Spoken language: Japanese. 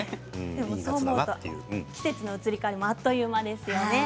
季節の移り変わりもあっという間ですね。